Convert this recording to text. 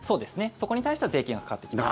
そこに対しては税金がかかってきます。